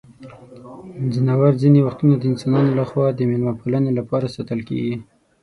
ځناور ځینې وختونه د انسانانو لخوا د مېلمه پالنې لپاره ساتل کیږي.